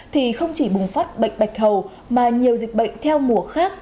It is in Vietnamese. thì không chỉ bùng phát bệnh bạch hầu mà nhiều dịch bệnh theo mùa khác